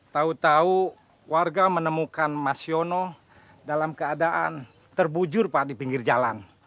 tahu tahu warga menemukan mas yono dalam keadaan terbujur pak di pinggir jalan